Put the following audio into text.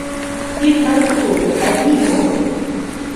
Il traduttore è vivo?